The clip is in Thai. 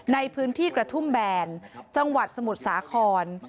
ในพื้นที่กระทุ่มแบนจังหวัดสมุทรสาคร